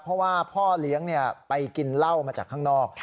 เพราะว่าพ่อเลี้ยงไปกินเหล้ามาจากข้างนอก